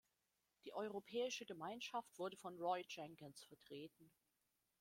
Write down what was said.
Die Europäische Gemeinschaft wurde von Roy Jenkins vertreten.